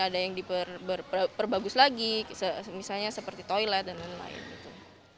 ada yang diperbagus lagi misalnya seperti toilet dan lain lain gitu